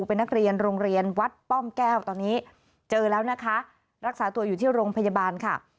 เป็นนักเรียนโรงเรียนวัดป้อมแก้วตอนนี้เจอแล้วนะคะรักษาตัวอยู่ที่โรงพยาบาลค่ะ